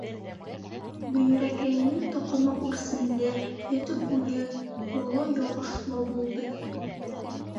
Бөйрәкәйенең тоҡомо үрсемле, һөтө ҡуйы, боло йоғошло булды.